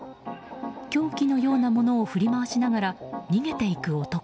凶器のようなものを振り回しながら逃げていく男。